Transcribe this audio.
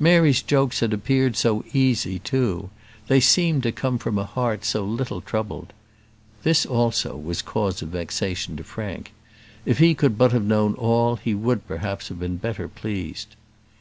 Mary's jokes had appeared so easy too; they seemed to come from a heart so little troubled. This, also, was cause of vexation to Frank. If he could but have known all, he would, perhaps, have been better pleased.